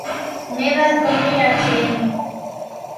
მე ვარ გოლიათი